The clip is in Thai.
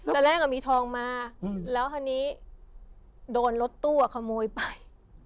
ตอนแรกมีทองมาแล้วคราวนี้โดนรถตู้ขโมยไป